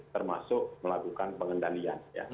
termasuk melakukan pengendalian